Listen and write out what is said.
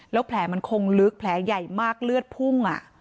แล้วแผลมันคงลึกแผลใหญ่มากเลือดพุ่ง